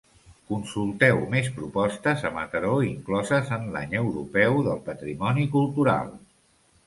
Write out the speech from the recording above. Consulteu més propostes a Mataró incloses en l'Any Europeu del Patrimoni Cultural.